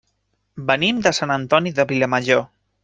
Venim de Sant Antoni de Vilamajor.